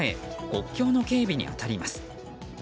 国境の警備に当たります。